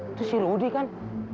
itu si rudy kan